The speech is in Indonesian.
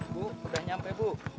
bu sudah nyampe bu